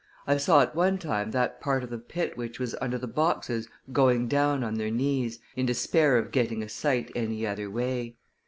I saw at one time that part of the pit which was under the boxes going down on their knees, in despair of getting a sight any other way.